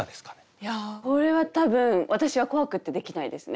いやこれは多分私は怖くってできないですね。